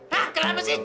hah kenapa sih